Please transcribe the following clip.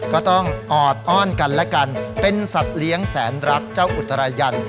ก็ต้องออดอ้อนกันและกันเป็นสัตว์เลี้ยงแสนรักเจ้าอุตรายัน